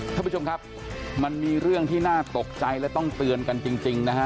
ท่านผู้ชมครับมันมีเรื่องที่น่าตกใจและต้องเตือนกันจริงนะฮะ